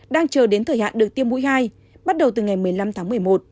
đang chờ đến thời hạn được tiêm mũi hai bắt đầu từ ngày một mươi năm tháng một mươi một